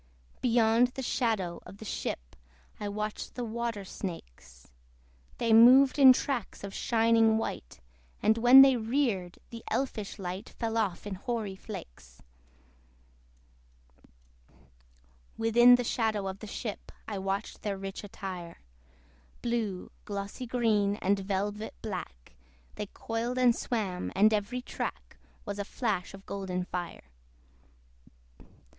Beyond the shadow of the ship, I watched the water snakes: They moved in tracks of shining white, And when they reared, the elfish light Fell off in hoary flakes. Within the shadow of the ship I watched their rich attire: Blue, glossy green, and velvet black, They coiled and swam; and every track Was a flash of golden fire.